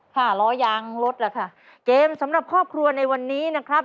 ห้าล้อยางลดแล้วค่ะเกมสำหรับครอบครัวในวันนี้นะครับ